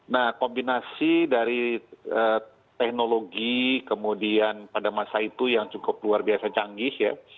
nah kombinasi dari teknologi kemudian pada masa itu yang cukup luar biasa canggih ya